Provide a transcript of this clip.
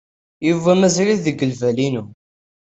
Yuba mazal-it deg lbal-inu.